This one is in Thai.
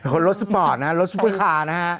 คนรถสปอร์ตนะครับรถซุปริคาร์นะฮะ